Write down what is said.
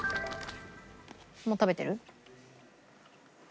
もう食べてる？